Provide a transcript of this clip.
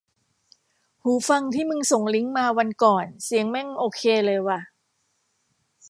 หูฟังที่มึงส่งลิงก์มาวันก่อนเสียงแม่งโอเคเลยว่ะ